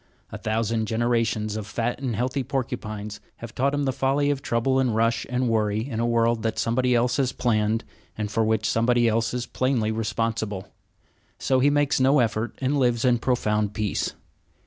A thousand generations of fat and healthy porcupines have taught him the folly of trouble and rush and worry in a world that somebody else has planned, and for which somebody else is plainly responsible. So he makes no effort and lives in profound peace.